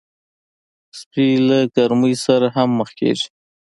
سپي له ګرمۍ سره هم مخ کېږي.